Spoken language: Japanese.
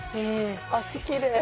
足きれい。